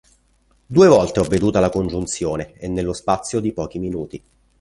Due volte ho veduta la congiunzione, e nello spazio di pochi minuti.